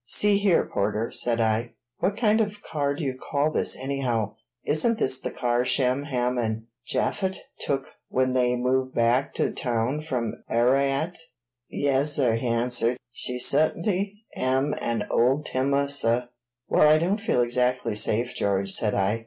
"See here, porter!" said I. "What kind of car do you call this, anyhow? Isn't this the car Shem, Ham, and Japhet took when they moved back to town from Ararat?" "Yas, suh," he answered. "She suttinly am an ol' timah, suh." "Well, I don't feel exactly safe, George," said I.